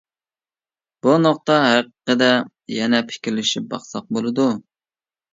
بۇ نۇقتا ھەققىدە يەنە پىكىرلىشىپ باقساق بولىدۇ.